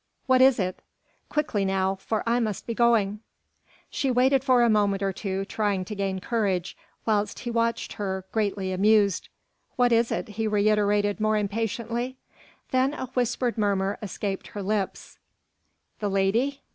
"What is it? Quickly now, for I must be going." She waited for a moment or two trying to gain courage, whilst he watched her, greatly amused. "What is it?" he reiterated more impatiently. Then a whispered murmur escaped her lips. "The lady?"